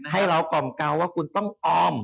ให้เรากล่อมเกาว่าคุณต้องออม